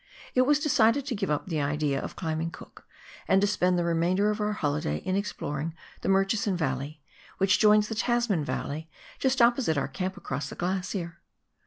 It was decided to give up the idea of climbing Cook, and to spend the remainder of our holiday in exploring the Murchison valley, which joins the Tasman valley just opposite our camp across the glacier.